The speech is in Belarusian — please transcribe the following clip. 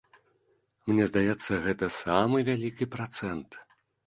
Мне здаецца, гэта самы вялікі працэнт.